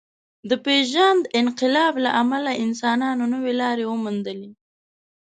د پېژاند انقلاب له امله انسانانو نوې لارې وموندلې.